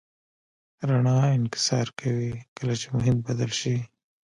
رڼا انکسار کوي کله چې محیط بدل شي.